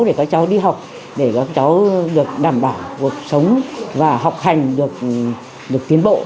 để các cháu đi học để các cháu được đảm bảo cuộc sống và học hành được tiến bộ